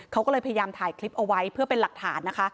เขาก็เลยพยายามถ่ายคลิปเอาไว้เพื่อเป็นหลักฐานนะคะ